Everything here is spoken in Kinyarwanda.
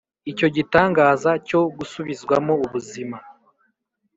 icyo gitangaza cyo gusubizwamo ubuzima.